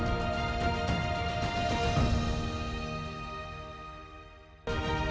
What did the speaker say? tergantung ke situs facebook kemudian pada pc satu